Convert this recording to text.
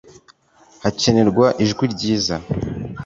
Hakenerwa ijwi ryiza